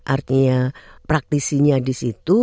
artinya praktisinya di situ